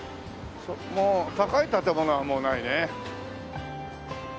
高い建物はもうないね。